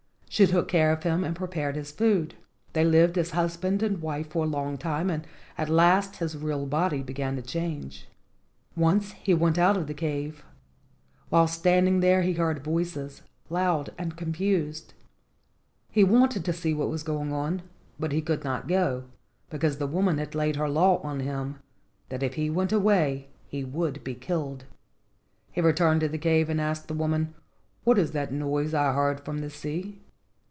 She took care of him and prepared his food. They lived as husband and wife for a long time, and at last his real body began to change. Once he went out of the cave. While standing there he heard voices, loud and confused. He wanted to see what was going on, but he could not go, because the woman had laid her law on him, that if he went away he would be killed. He returned to the cave and asked the woman, "What is that noise I heard from the sea?"